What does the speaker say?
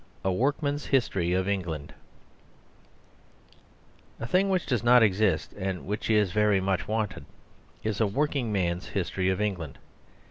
A WORKMAN'S HISTORY OF ENGLAND A thing which does not exist and which is very much wanted is "A Working Man's History of England."